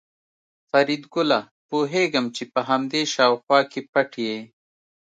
فریدګله پوهېږم چې په همدې شاوخوا کې پټ یې